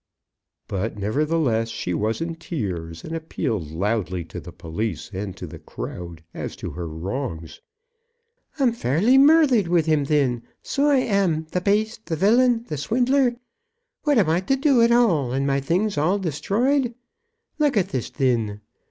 But, nevertheless, she was in tears, and appealed loudly to the police and to the crowd as to her wrongs. "I'm fairly murthered with him, thin, so I am, the baist, the villain, the swindhler. What am I to do at all, and my things all desthroyed? Look at this, thin!"